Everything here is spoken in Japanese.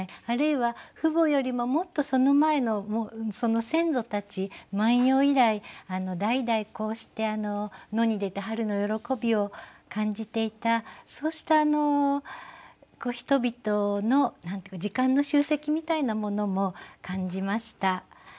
あるいは父母よりももっとその前のその先祖たち「万葉」以来代々こうして野に出て春の喜びを感じていたそうしたあの人々の何と言うか時間の集積みたいなものも感じました。